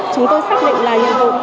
chúng tôi xác định là nhiệm vụ